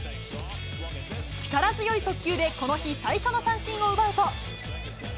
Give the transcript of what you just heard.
力強い速球でこの日、最初の三振を奪うと。